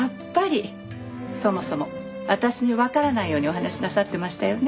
そもそも私にわからないようにお話しなさってましたよね？